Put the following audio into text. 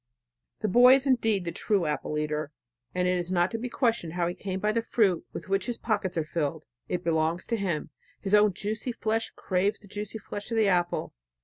The boy is indeed the true apple eater, and is not to be questioned how he came by the fruit with which his pockets are filled. It belongs to him...His own juicy flesh craves the juicy flesh of the apple.